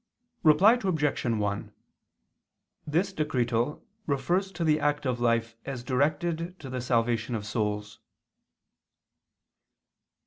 Reply Obj. 1: This Decretal refers to the active life as directed to the salvation of souls.